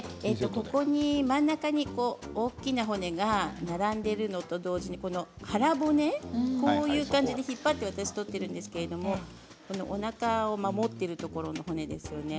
真ん中に大きな骨が並んでいるのと同時に腹骨、こういう感じで引っ張って私は取っているんですけどおなかを守っているところの骨ですよね。